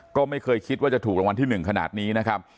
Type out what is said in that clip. ก็ไม่เคยคิดว่าจะถูกรางวัลที่๑ขนาดนี้นะครับ